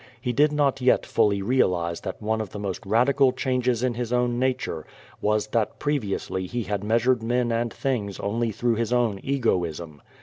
He did not yet fully realize that one of the most radical changes in his own nature was that previously he had measured men and things only through his own egoism.